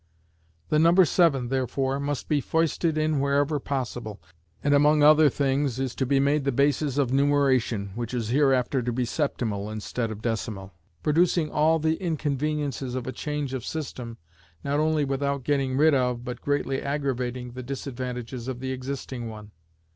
The number seven, therefore, must be foisted in wherever possible, and among other things, is to be made the basis of numeration, which is hereafter to be septimal instead of decimal: producing all the inconvenience of a change of system, not only without getting rid of, but greatly aggravating, the disadvantages of the existing one.